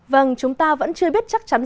vâng chúng ta vẫn chưa biết chắc chắn